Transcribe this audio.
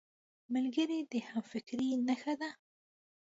ملګری د همفکرۍ نښه ده